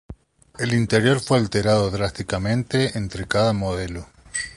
El interior fue alterado drásticamente entre cada modelo.